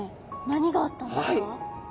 何があったんですか？